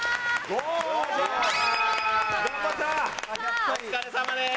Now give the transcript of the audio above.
お疲れさまです。